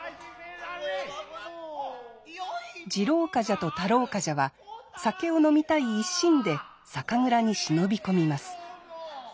次郎冠者と太郎冠者は酒を飲みたい一心で酒蔵に忍び込みます。